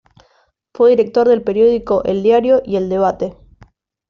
Fue director del periódico "El Diario" y El Debate.